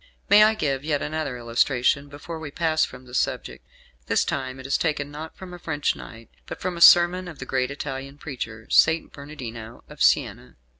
May I give yet another illustration before we pass from the subject. This time it is taken not from a French knight, but from a sermon of the great Italian preacher, St. Bernardino of Siena.